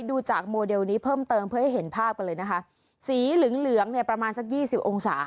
ดูจากโมเดลนี้เพิ่มเติมเพื่อให้เห็นภาพกันเลยนะคะสีเหลืองเหลืองเนี่ยประมาณสักยี่สิบองศา